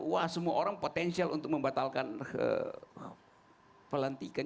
wah semua orang potensial untuk membatalkan pelantikan